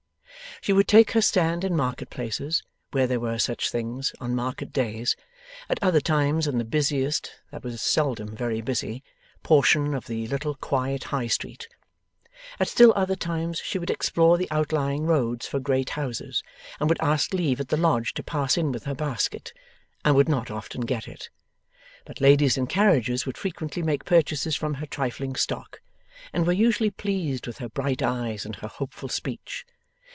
She would take her stand in market places, where there were such things, on market days; at other times, in the busiest (that was seldom very busy) portion of the little quiet High Street; at still other times she would explore the outlying roads for great houses, and would ask leave at the Lodge to pass in with her basket, and would not often get it. But ladies in carriages would frequently make purchases from her trifling stock, and were usually pleased with her bright eyes and her hopeful speech.